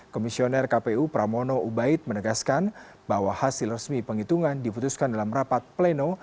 komisioner kpu pramono ubaid menegaskan bahwa hasil resmi penghitungan diputuskan dalam rapat pleno